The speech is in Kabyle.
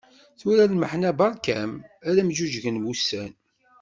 Tura lmeḥna barka-am, ad am-ğuğgen wussan.